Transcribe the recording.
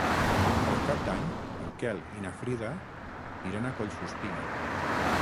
Per Cap d'Any en Quel i na Frida iran a Collsuspina.